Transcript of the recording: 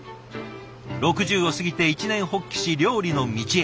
６０を過ぎて一念発起し料理の道へ。